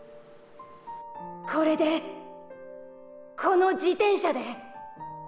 これでこの自転車で。